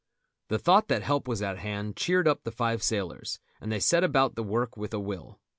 The thought that help was at hand cheered up the five sailors, and they set about the work with a will.